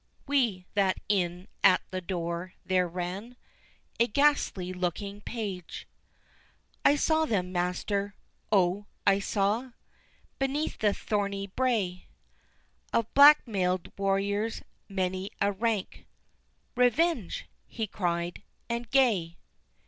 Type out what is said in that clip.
Wi' that in at the door there ran A ghastly looking page— "I saw them, master, O! I saw, Beneath the thornie brae, Of black mail'd warriors many a rank; 'Revenge!' he cried, 'and gae.